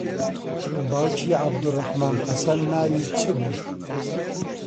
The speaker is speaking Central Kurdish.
باوکی عەبدوڕڕەحمان حەسەن ناوی چ بوو؟